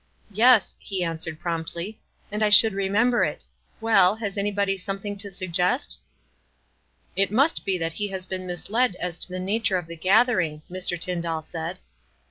"Yes," he answered, promptly, "and I should remember it. Well, has anybody something to suggest ?"" It must be that he has been misled as to the nature of the gathering," Mr. Tyndall said.